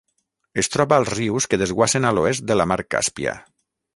Es troba als rius que desguassen a l'oest de la Mar Càspia.